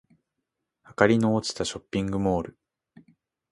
明かりの落ちたショッピングモール